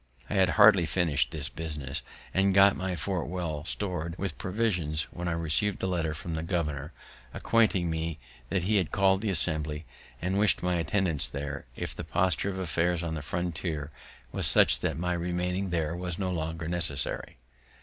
I had hardly finish'd this business, and got my fort well stor'd with provisions, when I receiv'd a letter from the governor, acquainting me that he had call'd the Assembly, and wished my attendance there, if the posture of affairs on the frontiers was such that my remaining there was no longer necessary.